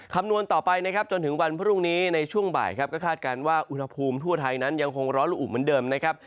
คำนวณต่อไปนะครับจนถึงวันพรุ่งนี้ในช่วงบ่ายครับก็คาดการณ์ว่าอุณหภูมิทั่วไทยนั้นยังคงร้อนละอุเหมือนเดิมนะครับ